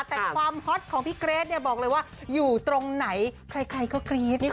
แต่ความฮอตของพี่เกรทเนี่ยบอกเลยว่าอยู่ตรงไหนใครก็กรี๊ดนะคะ